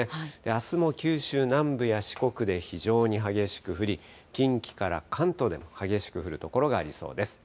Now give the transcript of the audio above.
あすも九州南部や四国で非常に激しく降り、近畿から関東でも激しく降る所がありそうです。